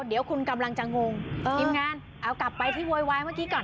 เดี๋ยวคุณกำลังจะงงทีมงานเอากลับไปที่โวยวายเมื่อกี้ก่อน